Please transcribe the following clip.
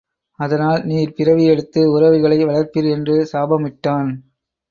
அதனால் நீர் பிறவி எடுத்து உறவுகளை வளர்ப்பீர் என்று சாபம் இட்டான்.